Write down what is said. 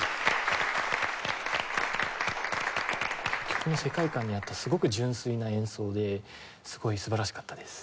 曲の世界観に合ったすごく純粋な演奏ですごい素晴らしかったです。